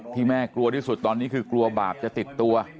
แม่กลัวที่สุดตอนนี้คือกลัวบาปจะติดตัว